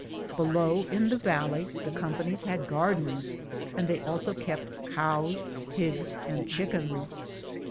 Below in the valley the companies had gardens, and they also kept cows, pigs, and chick ens.